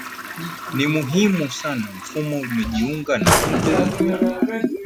ni muhimu sana Mfumo umejiunga na Mto